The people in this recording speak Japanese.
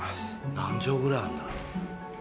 何帖ぐらいあんだろう。